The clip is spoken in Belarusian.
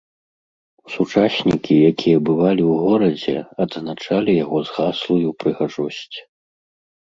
Сучаснікі, якія бывалі ў горадзе, адзначалі яго згаслую прыгажосць.